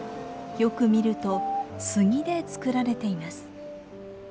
よく見ると杉で作られています。